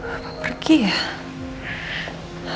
apa pergi ya